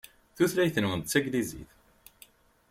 Tutlayt-nwen d taglizit.